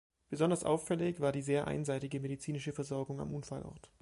Besonders auffällig war die sehr einseitige medizinische Versorgung am Unfallort.